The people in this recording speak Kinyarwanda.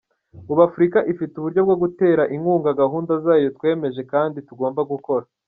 Ubu Afurika ifite uburyo bwo gutera inkunga gahunda zayo twemeje kandi tugomba gukora.